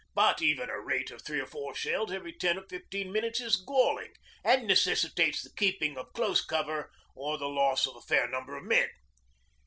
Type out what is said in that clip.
But even a rate of three or four shells every ten or fifteen minutes is galling, and necessitates the keeping of close cover or the loss of a fair number of men.